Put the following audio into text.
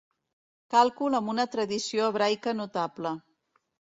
Càlcul amb una tradició hebraica notable.